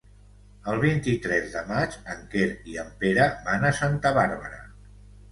El vint-i-tres de maig en Quer i en Pere van a Santa Bàrbara.